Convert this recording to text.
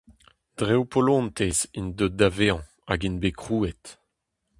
Dre ho polontez int deuet da vezañ hag int bet krouet.